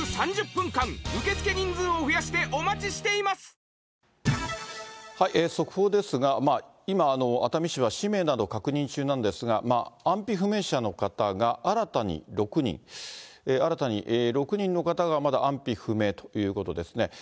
家族との再会を願い、速報ですが、今、熱海市は氏名など確認中なんですが、安否不明者の方が新たに６人、新たに６人の方が、まだ安否不明ということですね。